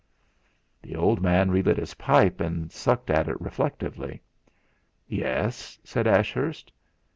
The old man refit his pipe, and sucked at it reflectively. "Yes?" said Ashurst.